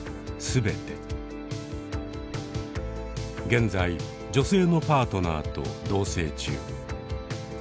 現在女性のパートナーと同棲中。